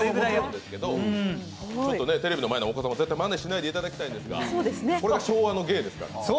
ちょっとテレビの前のお子さんは絶対にまねしていただきたくないんですがこれ昭和の芸ですから。